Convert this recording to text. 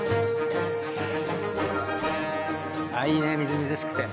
いいねみずみずしくて。